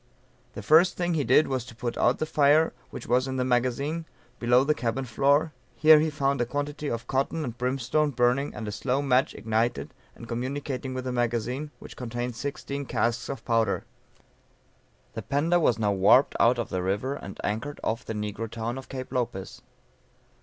The first thing he did was to put out the fire which was in the magazine, below the cabin floor; here was found a quantity of cotton and brimstone burning and a slow match ignited and communicating with the magazine, which contained sixteen casks of powder. The Panda was now warped out of the river and anchored off the negro town of Cape Lopez.